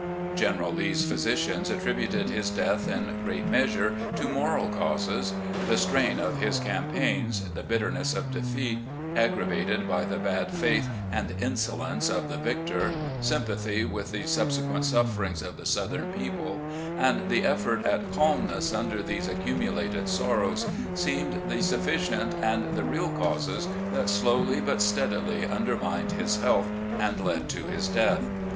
"General Lee's physicians attributed his death in great measure to moral causes. The strain of his cam paigns, the bitterness of defeat aggravated by the bad faith and insolence of the victor, sympathy with the subsequent sufferings of the Southern people, and the effort at calmness under these accxunulated sorrows, seemed the sufficient and the real causes that slowly but steadily undermined his health and led to his death.